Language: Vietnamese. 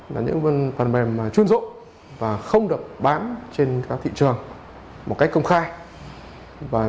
là những phần mềm chuyên dụng và không được bán trên các thị trường một cách công khai